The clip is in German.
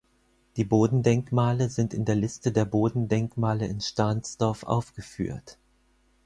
Die Bodendenkmale sind in der Liste der Bodendenkmale in Stahnsdorf aufgeführt.